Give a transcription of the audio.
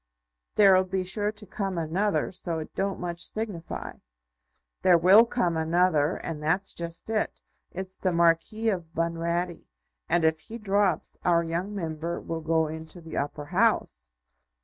There'll be sure to come another, so it don't much signify." "There will come another, and that's just it. It's the Marquis of Bunratty; and if he drops, our young Member will go into the Upper House."